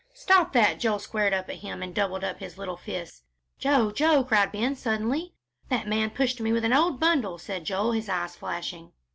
"Stop that!" Joel squared up at him and doubled up his little fist. "Joe, Joe!" cried Ben, suddenly. "That man pushed me with an old bundle," said Joel, his eyes flashing.